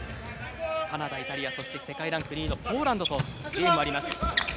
カナダ、イタリアそして世界ランク２位のポーランドとのゲームもあります。